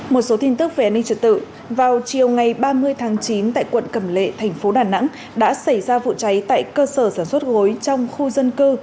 một số tin tức về an ninh trật tự vào chiều ngày ba mươi tháng chín tại quận cầm lệ thành phố đà nẵng đã xảy ra vụ cháy tại cơ sở sản xuất gối trong khu dân cư